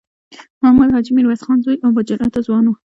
محمود حاجي میرویس خان زوی او با جرئته ځوان و.